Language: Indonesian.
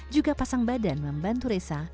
juga pasang badan membantu resa